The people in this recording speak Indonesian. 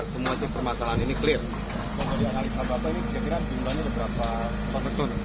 semua permasalahan ini clear